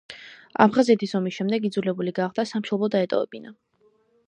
აფხაზეთის ომის შემდეგ იძულებული გახდა სამშობლო დაეტოვებინა.